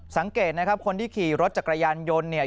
สังเกตคนที่ขี่รถจากกระยานยนต์